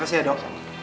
makasih ya dok